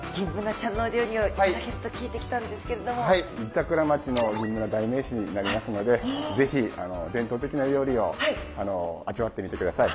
板倉町のギンブナ代名詞になりますので是非伝統的な料理を味わってみてください。